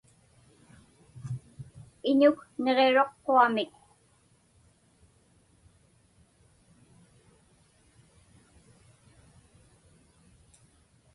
Iñuk niġiruq quamik.